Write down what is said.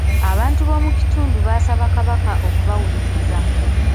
Abantu b'omukitundu baasaba kabaka okubawuliriza.